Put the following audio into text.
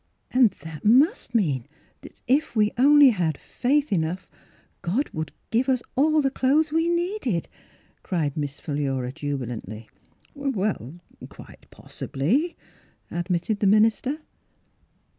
" And that must mean that if we only had faith enough God would give us all the clothes we needed," cried IMiss Philura jubilantly. " Er — quite possibly," admitted the minister.